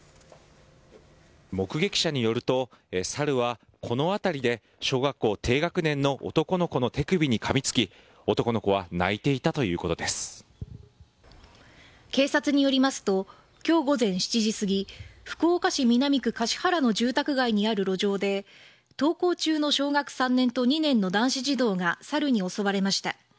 目撃者によると、サルはこの辺りで小学校低学年の男の子の手首にかみつき男の子は警察によりますと今日午前７時すぎ福岡市南区柏原の住宅街にある路上で登校中の小学３年と２年の男子児童がサルに襲われました。